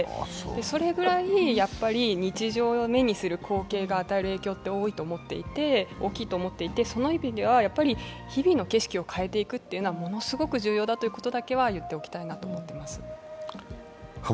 それぐらい、やっぱり日常で目にする光景が与える影響って大きいと思っていて、その意味では、日々の景色を変えていくというのはものすごく重要だということだけは言っておきたいなと思います。